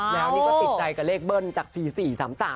ก็ติดใจกับเลขเบิ้ลจาก๔๔๓๓ไหมเถอะ